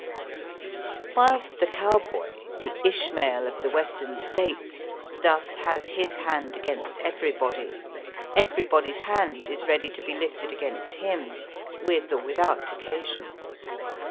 Whilst the cowboy, the Ishmael of the Western States, thus has his hand against everybody, everybody's hand is ready to be lifted against him, with or without occasion.